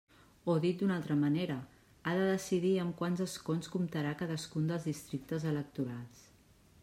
O dit d'una altra manera, ha de decidir amb quants escons comptarà cadascun dels districtes electorals.